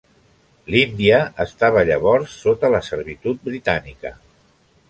L’Índia estava llavors sota la servitud britànica.